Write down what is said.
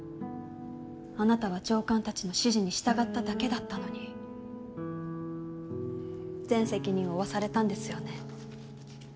あなたは上官たちの指示に従っただけだったのに全責任を負わされたんですよね？